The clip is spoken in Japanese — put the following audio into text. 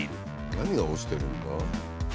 何が落ちてるんだ？